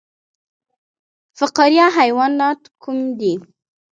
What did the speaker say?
فقاریه حیوانات کوم دي؟